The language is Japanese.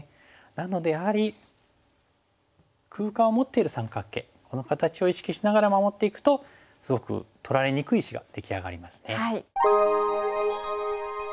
なのでやはり空間を持っている三角形この形を意識しながら守っていくとすごく取られにくい石が出来上がりますね。